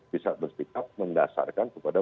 bisa berpikir mendasarkan kepada